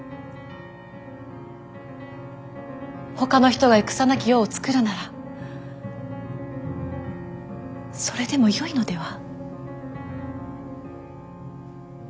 ほかの人が戦なき世を作るならそれでもよいのでは。